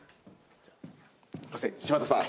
柴田さん。